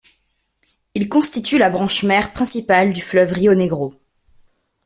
Il constitue la branche mère principale du fleuve Río Negro.